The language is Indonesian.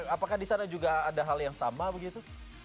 apakah di sana juga ada hal yang sama begitu